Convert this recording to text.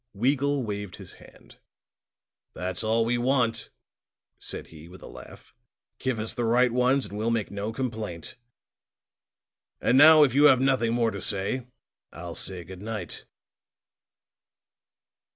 Weagle waved his hand. "That's all we want," said he with a laugh. "Give us the right ones and we'll make no complaint. And now, if you have nothing more to say, I'll say good night."